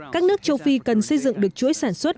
các nước châu phi cần xây dựng được chuỗi sản xuất